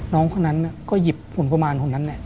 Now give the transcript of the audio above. น้องคนนั้นก็หยิบหุ่นกุมารคนนั้น